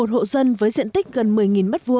một mươi một hộ dân với diện tích gần một mươi m hai